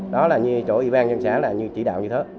đó là như chỗ ủy ban dân xã là như chỉ đạo như thế